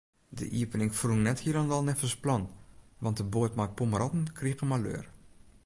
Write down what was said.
De iepening ferrûn net hielendal neffens plan, want de boat mei pommeranten krige maleur.